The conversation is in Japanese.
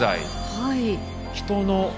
はい。